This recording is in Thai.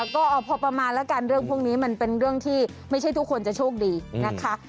ก็เอาพอประมาณแล้วกันเรื่องพวกนี้มันเป็นเรื่องที่ไม่ใช่ทุกคนจะโชคดีนะคะ